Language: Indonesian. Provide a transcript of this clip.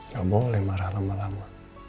gak boleh marah lama lama